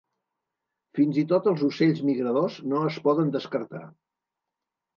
Fins i tot els ocells migradors no es poden descartar.